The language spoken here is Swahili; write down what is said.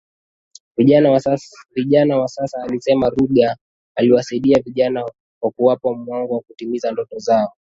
vijana wa sasa Alisema Ruge aliwasaidia vijana kwa kuwapa mwanga wa kutimiza ndoto zao